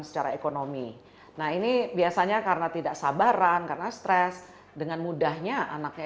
secara ekonomi nah ini biasanya karena tidak sabaran karena stres dengan mudahnya anaknya